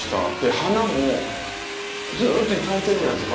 花もずっと咲いてるじゃないですか。